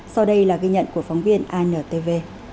sau đây là ghi nhận của phóng viên antv